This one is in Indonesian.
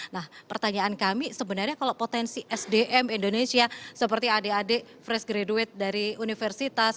nah pertanyaan kami sebenarnya kalau potensi sdm indonesia seperti adik adik fresh graduate dari universitas